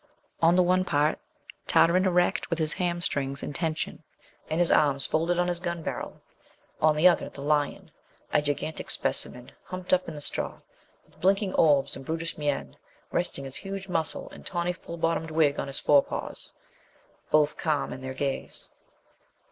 On the one part, Tartarin erect, with his hamstrings in tension, and his arms folded on his gun barrel; on the other, the lion, a gigantic specimen, humped up in the straw, with blinking orbs and brutish mien, resting his huge muzzle and tawny full bottomed wig on his forepaws. Both calm in their gaze.